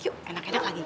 yuk enak enak lagi